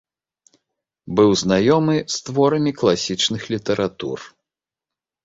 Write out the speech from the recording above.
Быў знаёмы з творамі класічных літаратур.